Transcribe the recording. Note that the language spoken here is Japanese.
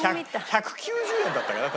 １９０円だったかな？